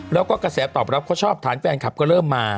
แล้วก็กระแสตอบรับเขาชอบฐานแฟนคลับก็เริ่มมา